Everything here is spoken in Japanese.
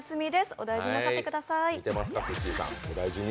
お大事になさってください。